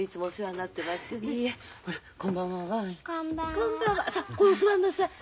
さっここ座んなさい。